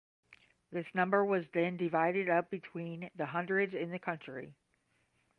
This number was then divided up between the hundreds in the county.